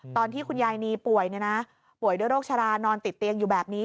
ตอนที่คุณยายนีป่วยนะป่วยโรคชะลานอนติดเตียงอยู่แบบนี้